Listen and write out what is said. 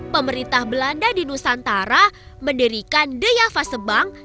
pemerintah belanda di nusantara mendirikan dea fase bank